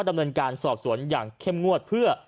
ดำเนินการสอบสวนอย่างเข้มงวดเพื่อ